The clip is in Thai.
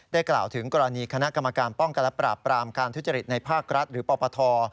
ได้กราวถึงกรณีขณะกรรมการป้องการปลาปรามการทุจริตในภาครัฐหรือปรปธ